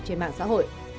trên mạng xã hội